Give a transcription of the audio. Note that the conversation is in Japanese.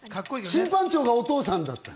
審判長がお父さんだった。